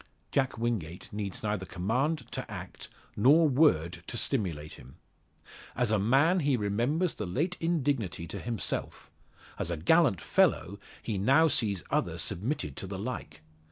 Jack Wingate needs neither command to act nor word to stimulate him. As a man he remembers the late indignity to himself; as a gallant fellow he now sees others submitted to the like.